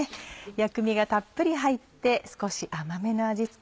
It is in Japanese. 薬味がたっぷり入って少し甘めの味付け。